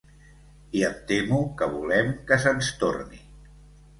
I em temo que volem que se'ns torni.